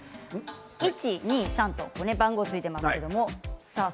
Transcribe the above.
１、２、３と番号がついています。